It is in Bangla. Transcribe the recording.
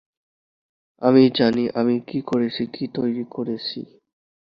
আমি জানি আমি কী করেছি, কী তৈরি করেছি।